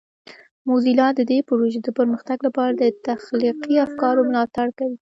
موزیلا د دې پروژې د پرمختګ لپاره د تخلیقي افکارو ملاتړ کوي.